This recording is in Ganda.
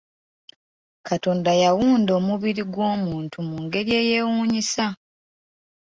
Katonda yawunda omubiri gw'omuntu mu ngeri eyewuunyisa.